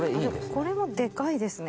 これもデカいですね